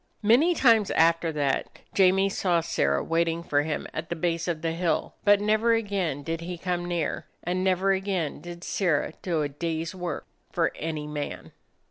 Many times after that Jamie saw Sirrah waiting for him at the base of the hill, but never again did he come near, and never again did Sirrah do a day's work for any man.